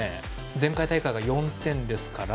前回大会が４点ですから。